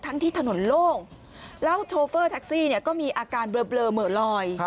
ที่ถนนโล่งแล้วโชเฟอร์แท็กซี่เนี่ยก็มีอาการเบลอเหม่อลอย